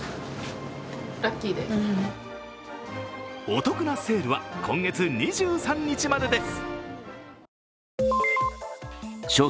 お得なセールは今月２３日までです。